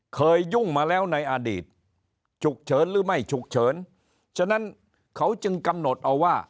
ฉุกเฉินหรือไม่ฉุกเฉินฉะนั้นเขาจึงกำหนดเอาว่า